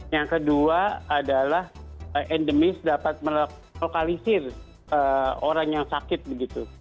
yang kedua adalah endemis dapat melokalisir orang yang sakit begitu